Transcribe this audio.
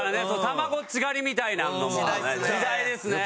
たまごっち狩りみたいなのもね。